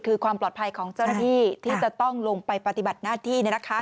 คือความปลอดภัยของเจ้าหน้าที่ที่จะต้องลงไปปฏิบัติหน้าที่